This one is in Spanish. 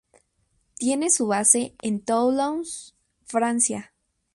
Tiene su base en Toulouse, Francia.